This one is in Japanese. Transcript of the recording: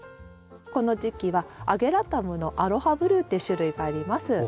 この時期はアゲラタムの‘アロハブルー’って種類があります。